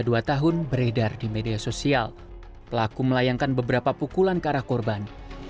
dua tahun beredar di media sosial pelaku melayangkan beberapa pukulan ke arah korban